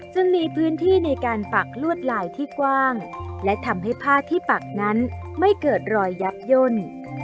จึงมีพื้นที่ในการปักลวดลายที่กว้างและทำให้ผ้าที่ปักนั้นไม่เกิดรอยยับย่น